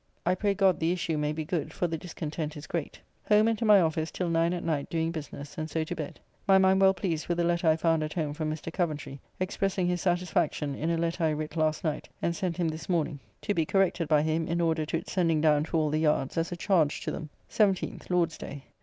I pray God the issue may be good, for the discontent is great. Home and to my office till 9 at night doing business, and so to bed. My mind well pleased with a letter I found at home from Mr. Coventry, expressing his satisfaction in a letter I writ last night, and sent him this morning, to be corrected by him in order to its sending down to all the Yards as a charge to them. 17th (Lord's day).